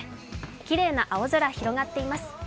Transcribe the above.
きれいな青空、広がっています。